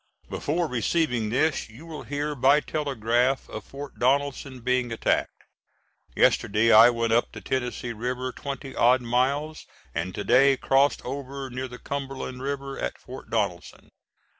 Before receiving this you will hear by telegraph of Fort Donelson being attacked. Yesterday I went up the Tennessee River twenty odd miles, and to day crossed over near the Cumberland River at Fort Donelson.